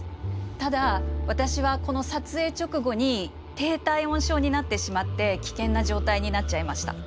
ただ私はこの撮影直後に低体温症になってしまって危険な状態になっちゃいました。